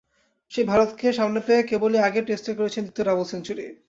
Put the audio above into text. সেই ভারতকে সামনে পেয়ে কেবলই আগের টেস্টে করেছেন দ্বিতীয় ডাবল সেঞ্চুরি।